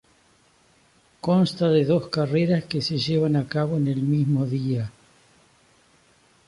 Consta de dos carreras que se llevan a cabo en el mismo día.